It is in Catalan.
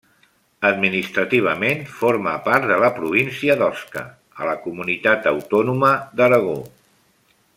Administrativament forma part de la província d'Osca, a la comunitat autònoma d'Aragó.